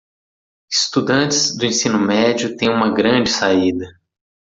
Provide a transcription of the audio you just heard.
Estudantes do ensino médio têm uma grande saída